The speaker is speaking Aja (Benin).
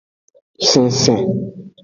Sensen.